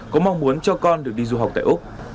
có mong muốn cho con được đi du học tại úc